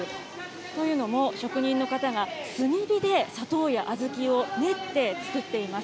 というのも、職人の方が炭火で砂糖や小豆を練って作っています。